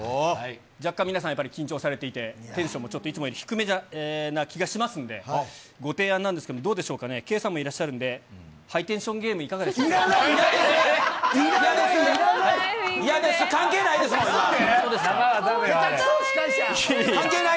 若干皆さん、緊張されていて、テンションもちょっといつもより低めな気がしますんで、ご提案なんですけれども、どうでしょうかね、圭さんもいらっしゃるんで、ハイテンションゲーム、いかがでいらない、いらない！